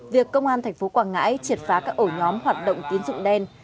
việc công an tp quảng ngãi triệt phá các ổ nhóm hoạt động tiếng dũng đan